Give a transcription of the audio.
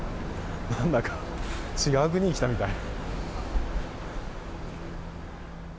何だか、違う国に来たみたい。